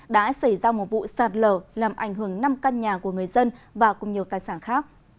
đã xảy ra một vụ sạt lở làm ảnh hưởng năm căn nhà của người dân và cùng nhiều tài sản khác